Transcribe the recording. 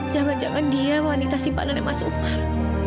jangan jangan dia wanita simpanan emas umar